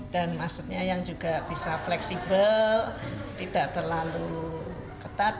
dan maksudnya yang juga bisa fleksibel tidak terlalu ketat